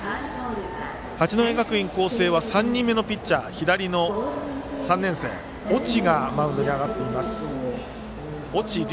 八戸学院光星は３人目のピッチャー、左の３年生越智琉介がマウンドに上がっています。